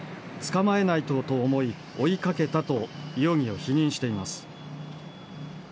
捕まえないとと思い、追いかけたと容疑を否認しています。